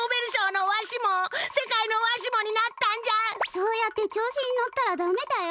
そうやって調子に乗ったらダメだよ。